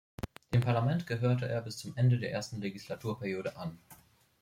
Dem Parlament gehörte er bis zum Ende der ersten Legislaturperiode an.